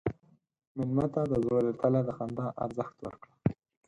مېلمه ته د زړه له تله د خندا ارزښت ورکړه.